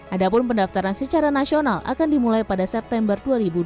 adapun pendaftaran secara nasional akan dimulai pada september dua ribu dua puluh